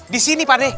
di sini pade